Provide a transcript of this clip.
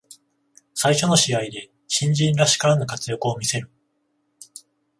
最初の試合で新人らしからぬ活躍を見せる